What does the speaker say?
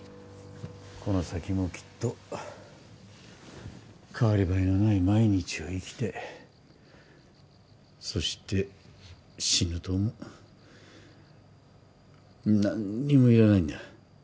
この先もきっと代わり映えのない毎日を生きてそして死ぬと思う何にもいらないんだ